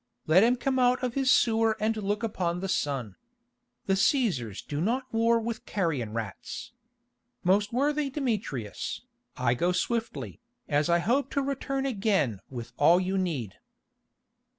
Let him come out of his sewer and look upon the sun. The Cæsars do not war with carrion rats. Most worthy Demetrius, I go swiftly, as I hope to return again with all you need."